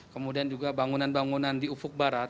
kemudian juga bangunan bangunan di ufuk barat